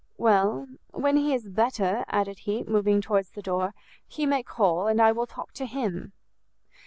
"Well, when he is better," added he, moving towards the door, "he may call, and I will talk to him."